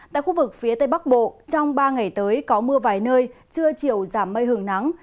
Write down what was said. tại khu vực phía tây bắc bộ trong ba ngày tới có mưa vài nơi trưa chiều giảm mây hừng nắng